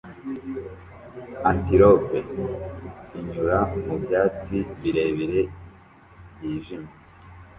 Antelope inyura mu byatsi birebire byijimye